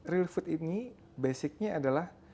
real food ini basicnya adalah